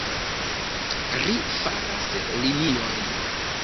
Ri faras liniojn.